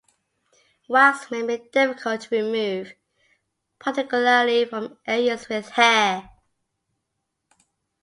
Wax may be difficult to remove, particularly from areas with hair.